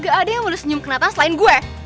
gak ada yang mau senyum kenata selain gue